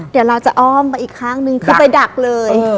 เดี๋ยวเราจะอ้อมไปอีกข้างนึงคือไปดักเลย